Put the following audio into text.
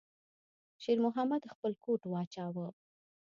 شېرمحمد خپل کوټ واچاوه.